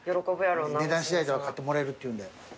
値段次第では買ってもらえるっていうんで。